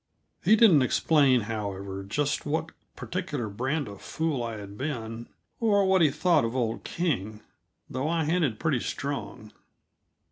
He didn't explain, however, just what particular brand of fool I had been, or what he thought of old King, though I hinted pretty strong.